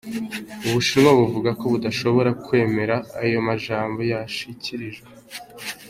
Ubushinwa buvuga ko "budashobora kwemera" ayo majambo yashikirijwe.